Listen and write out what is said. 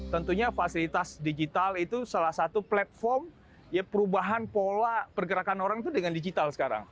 tentunya fasilitas digital itu salah satu platform perubahan pola pergerakan orang itu dengan digital sekarang